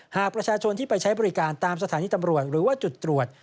หากประชาชนที่ไปใช้บริการตามสถานีตำรวจหรือว่าจุดตรวจ